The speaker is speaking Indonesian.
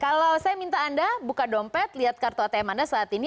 kalau saya minta anda buka dompet lihat kartu atm anda saat ini